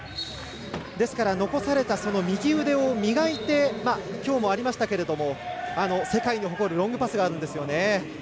ですから、残された右腕を磨いてきょうもありましたけど世界に誇るロングパスがあるんですよね。